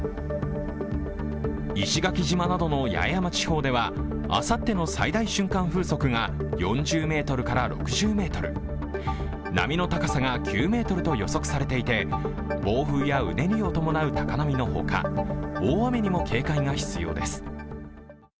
石垣島などの八重山地方ではあさっての最大瞬間風速が４０メートルから６０メートル、波の高さが９ｍと予測されていて暴風やうねりを伴う高波のほか、大雨にも警戒が必要です。